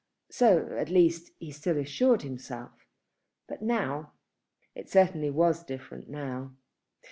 So, at least, he still assured himself. But now, it certainly was different now.